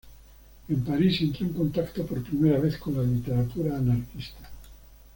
En París entró en contacto por primera vez con la literatura anarquista.